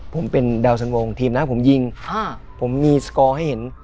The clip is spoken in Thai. ผมเป็นดาวสันวงทีมนะผมยิงผมมีสกอร์ให้เห็น